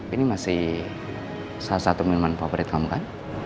ini masih salah satu minuman favorit kamu kan